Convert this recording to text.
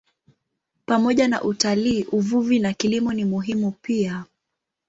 Pamoja na utalii, uvuvi na kilimo ni muhimu pia.